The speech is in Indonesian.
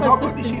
bapak bapak disini